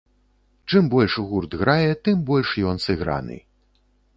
Чым больш гурт грае, тым больш ён сыграны.